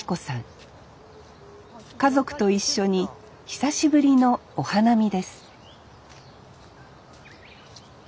家族と一緒に久しぶりのお花見です